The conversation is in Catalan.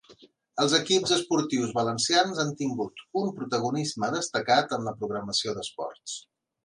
Els equips esportius valencians han tingut un protagonisme destacat en la programació d'esports.